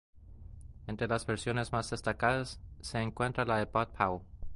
Entre las versiones más destacadas, se encuentra la de Bud Powell.